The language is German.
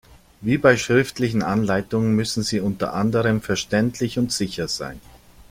Wie bei schriftlichen Anleitungen müssen sie unter anderem verständlich und sicher sein.